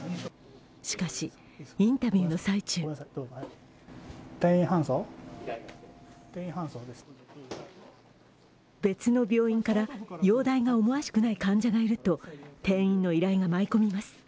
しかし、インタビューの最中別の病院から、容体が思わしくない患者がいると転院の依頼が舞い込みます。